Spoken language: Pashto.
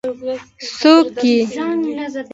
څوک يې؟